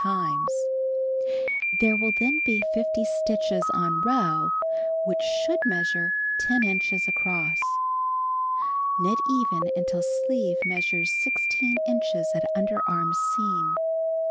W^SiJ^^^f There will then be 50 stitches on row, which should measiu e 10 inches across. Knit even until sleeve measures 1() inches at underarm seam.